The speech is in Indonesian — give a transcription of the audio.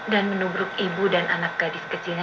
dan menubruk ibu dan anak gadis kecilnya